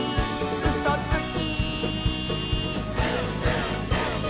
「うそつき！」